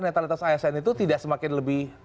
netralitas asn itu tidak semakin lebih